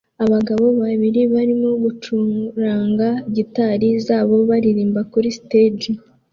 Abagabo babiri barimo gucuranga gitari zabo baririmba kuri stage